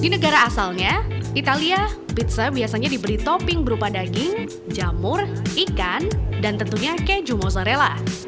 di negara asalnya italia pizza biasanya diberi topping berupa daging jamur ikan dan tentunya keju mozzarella